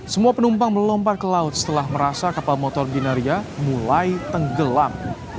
semua penumpang melompat ke laut setelah merasa kapal motor ginaria mulai tenggelam